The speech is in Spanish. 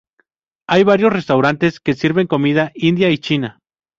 Hay varios restaurantes que sirven comida india y china.